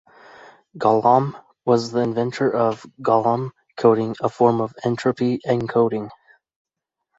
Golomb was the inventor of Golomb coding, a form of entropy encoding.